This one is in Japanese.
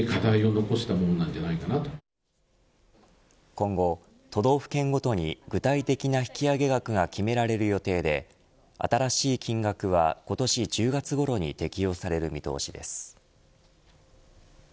今後、都道府県ごとに具体的な引き上げ額が決められる予定で新しい金額は今年１０月ごろに適用される見通しです。